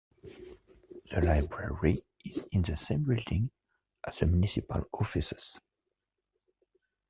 The library is in the same building as the municipal offices.